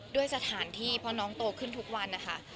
ด้วยสถานที่เพราะน้องโตขึ้นทุกวันนะคะ